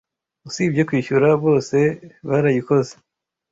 Usibye kwishyura bose barayikoze.